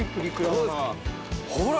ほら！